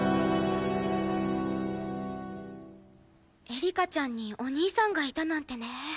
エリカちゃんにお兄さんがいたなんてね。